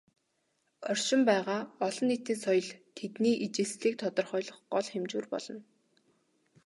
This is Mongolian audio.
Оршин байгаа "олон нийтийн соёл" тэдний ижилслийг тодорхойлох гол хэмжүүр болно.